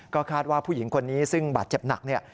ก็คาดว่าผู้หญิงคนนี้ซึ่งบาดเจ็บหนักเนี่ย